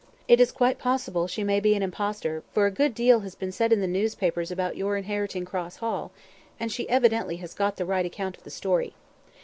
It is quite possible she may be an impostor; for a good deal has been said in the newspapers about your inheriting Cross Hall, and she evidently has not got the right account of the story.